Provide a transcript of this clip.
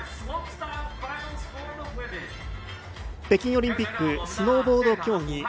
北京オリンピックスノーボード競技